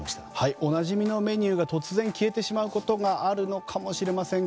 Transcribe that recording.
おなじみのメニューが突然消えてしまうことがあるのかもしれません。